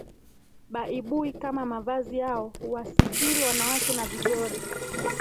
Baibui kama mavazi yao huwasitiri wanawake na vigori